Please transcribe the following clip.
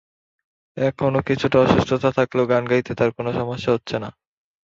এখনো কিছুটা অসুস্থতা থাকলেও গান গাইতে তাঁর কোনো সমস্যা হচ্ছে না।